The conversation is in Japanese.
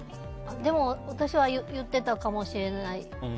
でも、私は言ってたかもしれない。